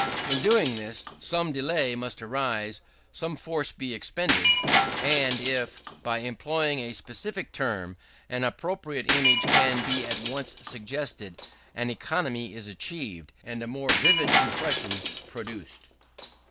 In doing this, some delay must arise some force be expended; and if, by employing a specific term, an appropriate image can be at once suggested, an economy is achieved, and a more vivid impression produced.